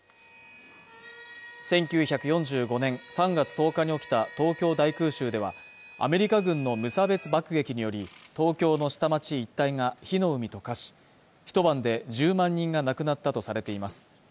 １９４５年３月１０日に起きた東京大空襲では、アメリカ軍の無差別爆撃により、東京の下町一帯が火の海と化し、一晩で１０万人が亡くなったとされています。